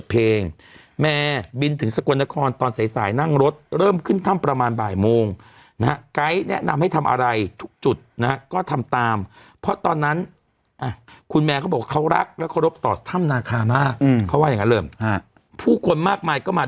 ประเทศไตรเราทำให้แห้งง่าย